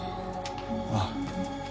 ああ。